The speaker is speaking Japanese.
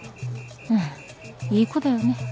うんいい子だよね